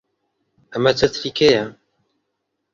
ئەمە چەتری کێیە؟